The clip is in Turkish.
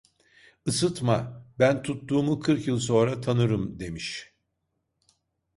Isıtma "ben tuttuğumu kırk yıl sonra tanırım" demiş.